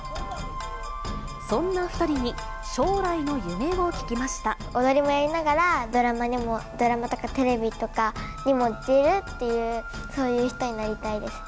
そんな２人に、踊りもやりながら、ドラマとか、テレビとかにも出るっていう、そういう人になりたいです。